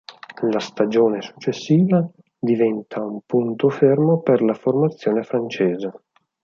La stagione successiva diventa un punto fermo per la formazione francese.